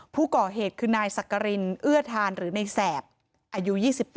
ผู้ก่อเหตุคือนายสักกรินเอื้อทานหรือในแสบอายุ๒๘